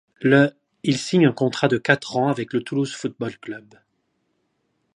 Le il signe un contrat de quatre ans avec le Toulouse Football Club.